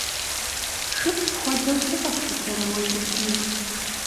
Шыпхъу хуэдэу сыкъэплъытэрэ уэ сытми?